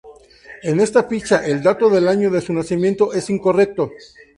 En esta ficha, el dato del año de su nacimiento es incorrecto.